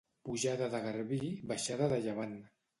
Pujada de garbí, baixada de llevant.